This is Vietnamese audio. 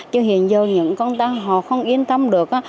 chứ hiện giờ những con tăng họ không yên tâm được